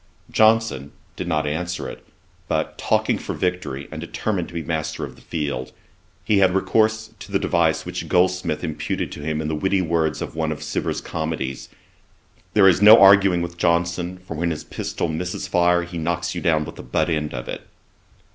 Johnson did not answer it; but talking for victory, and determined to be master of the field, he had recourse to the device which Goldsmith imputed to him in the witty words of one of Cibber's comedies: 'There is no arguing with Johnson; for when his pistol misses fire, he knocks you down with the butt end of it.'